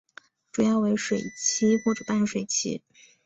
主要为水栖或半水栖。